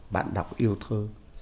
bạn đọc yêu thơ